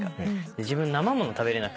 で自分生もの食べれなくて。